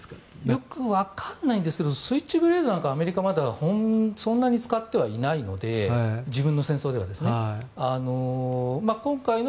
よくわからないんですがスイッチブレードなんかはアメリカはそんなに使ってはいないので自分の戦争ではですね。